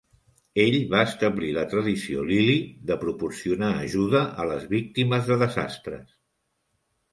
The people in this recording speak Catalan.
Ell va establir la tradició Lilly de proporcionar ajuda a les víctimes de desastres.